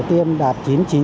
tiêm đạt chín mươi chín chín